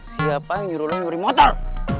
siapa yang nyuruh nyuri motor